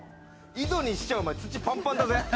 井戸にしちゃ土パンパンだぜ。